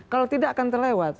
kalau tidak akan terlewat